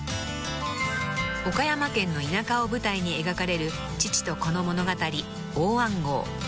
［岡山県の田舎を舞台に描かれる父と子の物語］